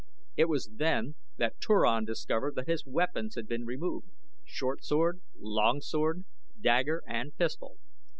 It was then that Turan discovered that his weapons had been removed short sword, long sword, dagger, and pistol.